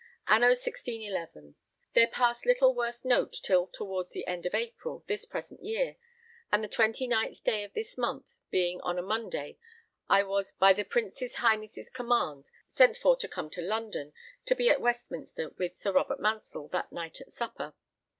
Anno 1611. There passed little worth note till towards the end of April, this present year; and the 29th day of this month, being on a Monday, I was by the Prince's Highness' command sent for to come to London, to be at Westminster with Sir Robert Mansell that night at supper.